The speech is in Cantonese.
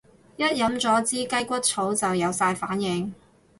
一飲咗支雞骨草就有晒反應